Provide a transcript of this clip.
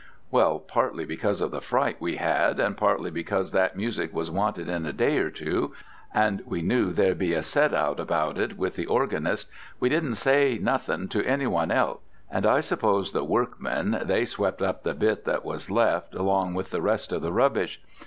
Well, partly because of the fright we had, and partly because that music was wanted in a day or two, and we knew there'd be a set out about it with the organist, we didn't say nothing to any one else, and I suppose the workmen they swept up the bit that was left along with the rest of the rubbish.